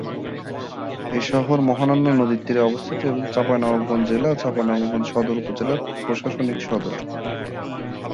এ শহর মহানন্দা নদীর তীরে অবস্থিত এবং চাঁপাইনবাবগঞ্জ জেলা ও চাঁপাইনবাবগঞ্জ সদর উপজেলার প্রশাসনিক সদর।